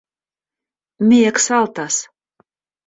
Mi eksaltas.